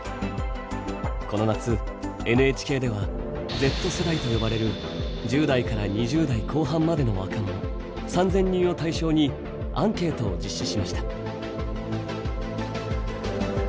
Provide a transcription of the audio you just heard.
この夏ＮＨＫではＺ世代と呼ばれる１０代から２０代後半までの若者３，０００人を対象にアンケートを実施しました。